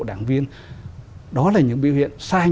đảng viên đó là những biểu hiện